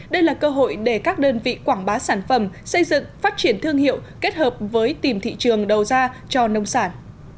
đây là cơ hội để các đơn vị quảng bá sản phẩm xây dựng phát triển thương hiệu kết hợp với tìm thị trường đầu ra cho nông sản